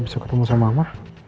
besok ketemu sama mama